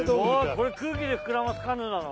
これ空気で膨らますカヌーなの？